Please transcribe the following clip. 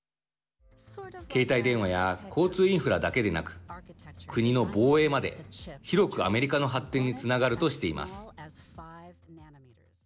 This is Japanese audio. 携帯電話や交通インフラだけでなく国の防衛まで、広くアメリカの発展につながるとしています。